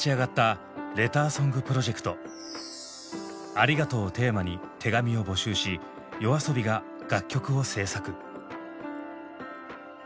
「ありがとう」をテーマに手紙を募集しＹＯＡＳＯＢＩが楽曲を制作。